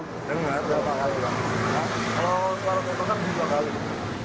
kalau suara tembakan gak apa apa